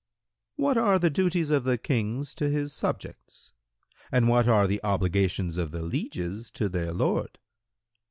Q "What are the duties of the King to his subjects and what are the obligations of the lieges to their lord?"